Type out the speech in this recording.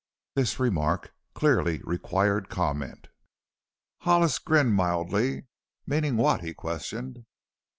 This remark clearly required comment. Hollis grinned mildly. "Meaning what?" he questioned.